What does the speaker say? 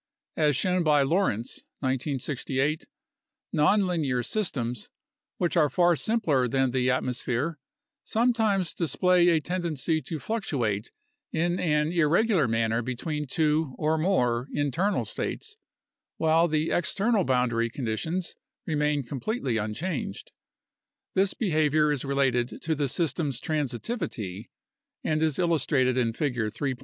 As shown by Lorenz (1968), nonlinear systems, which are far simpler than the atmosphere, sometimes display a ten dency to fluctuate in an irregular manner between two (or more) in ternal states, while the external boundary conditions remain completely unchanged. This behavior is related to the system's transitivity and is illustrated in Figure 3.